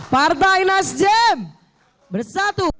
partai nasdem bersatu